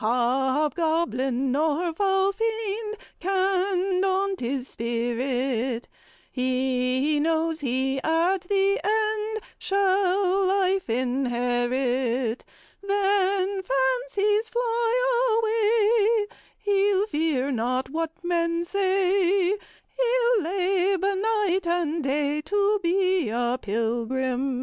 "Hobgoblin nor foul fiend Can daunt his spirit; He knows he at the end Shall life inherit. Then, fancies fly away, He'll fear not what men say; He'll labor night and day To be a pilgrim."